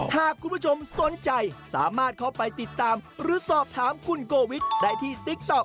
หากคุณผู้ชมสนใจสามารถเข้าไปติดตามหรือสอบถามคุณโกวิทได้ที่ติ๊กต๊อก